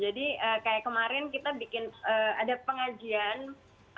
jadi kayak kemarin kita bikin ada pengajian